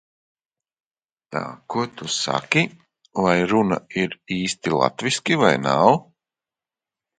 To nosaka nevis naudas daudzums, bet gan prasme, kā mēs to tērējam.